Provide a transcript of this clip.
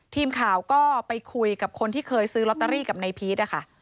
ทีมข่าวก็ไปคุยกับคนที่เคยซื้อลอตเตอรี่กับนายพีชนะคะ